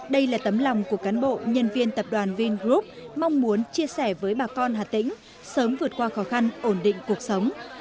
đây là tấm lòng của cán bộ nhân viên tập đoàn vingroup mong muốn chia sẻ với bà con hà tĩnh sớm vượt qua khó khăn ổn định cuộc sống